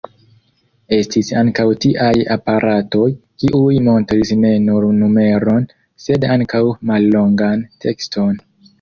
Estis ankaŭ tiaj aparatoj, kiuj montris ne nur numeron, sed ankaŭ mallongan tekston.